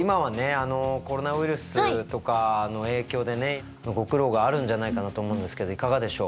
あのコロナウイルスとかの影響でねご苦労があるんじゃないかなと思うんですけどいかがでしょう？